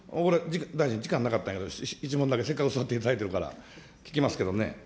時間なかったんやけど、１問だけ、せっかく座っていただいているから、聞きますけれどもね。